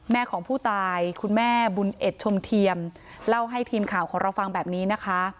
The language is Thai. ของผู้ตายคุณแม่บุญเอ็ดชมเทียมเล่าให้ทีมข่าวของเราฟังแบบนี้นะคะ